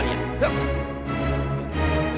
nanti jelasin dengan pak polis